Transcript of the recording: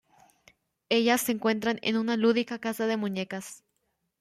Ellas se encuentran en una lúdica casa de muñecas.